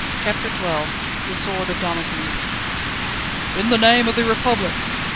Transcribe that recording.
CHAPTER XII The sword of Damocles. "In the name of the Republic!"